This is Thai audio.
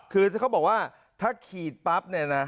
คือเขาบอกว่าถ้าขีดปั๊บ